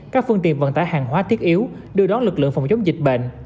các phương tiện vận tải hàng hóa thiết yếu đưa đón lực lượng phòng chống dịch bệnh